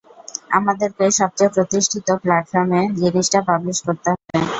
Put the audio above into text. আমাদেরকে সবচেয়ে প্রতিষ্ঠিত প্ল্যাটফর্মে জিনিসটা পাবলিশ করতে হবে।